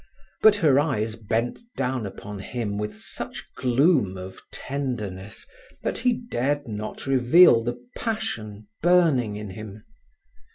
But her eyes bent down upon him with such gloom of tenderness that he dared not reveal the passion burning in him.